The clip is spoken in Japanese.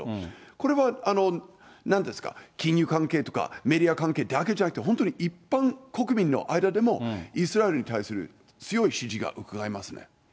これはなんですか、金融関係とかメディア関係だけじゃなくて、本当に一般国民の間でも、イスラエルに対する強い支持が伺えますね。